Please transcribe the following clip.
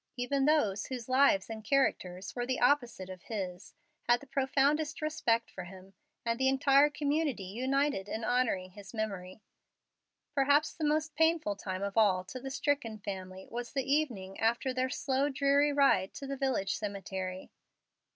Even those whose lives and characters were the opposite of his had the profoundest respect for him, and the entire community united in honoring his memory. Perhaps the most painful time of all to the stricken family was the evening after their slow, dreary ride to the village cemetery.